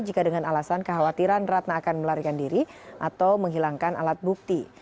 jika dengan alasan kekhawatiran ratna akan melarikan diri atau menghilangkan alat bukti